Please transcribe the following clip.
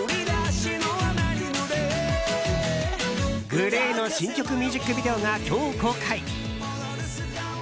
ＧＬＡＹの新曲ミュージックビデオが今日公開。